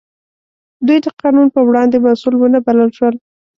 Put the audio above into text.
دوی د قانون په وړاندې مسوول ونه بلل شول.